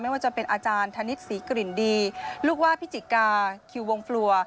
ว่าจะเป็นอาจารย์ธนิษฐศรีกลิ่นดีลูกว่าพิจิกาคิววงฟลัว